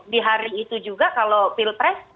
di hari itu juga kalau pilpres